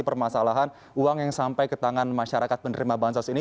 permasalahan uang yang sampai ke tangan masyarakat penerima bansos ini